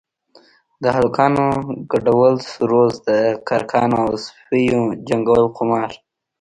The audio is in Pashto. د هلکانو گډول سروذ د کرکانو او سپيو جنگول قمار.